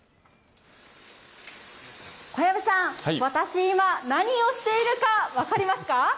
小籔さん、私、今、何をしているか分かりますか？